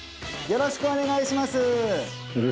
よろしくお願いします